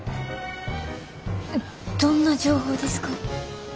どんな情報ですか？